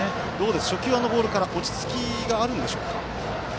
初球、あのボールから落ち着きがあるんでしょうか。